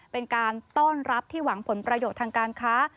เป็นการต้อนรับที่หวังผลประโยชน์ทางการค้า